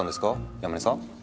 山根さん？